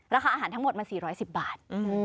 อาหารทั้งหมดมัน๔๑๐บาท